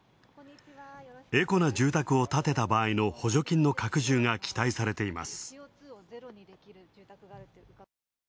エコな住宅を建てた場合のほじょきんの拡充が期待されています。